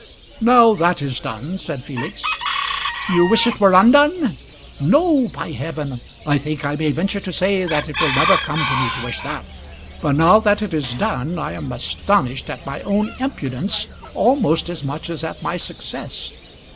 "Now that it is done ," said Felix. "You wish it were undone." "No, by heaven! I think I may venture to say that it will never come to me to wish that. But now that it is done, I am astonished at my own impudence almost as much as at my success.